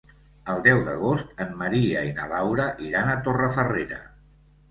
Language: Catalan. El deu d'agost en Maria i na Laura iran a Torrefarrera.